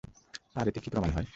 আর এতে কী প্রমাণ হয়?